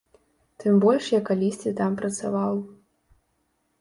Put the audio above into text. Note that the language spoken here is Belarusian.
Тым больш я калісьці там працаваў.